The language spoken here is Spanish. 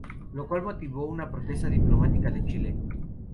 Lo cual motivó una protesta diplomática de Chile.